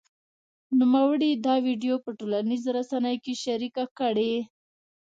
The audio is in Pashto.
نوموړي دا ویډیو په ټولنیزو رسنیو کې شرېکه کړې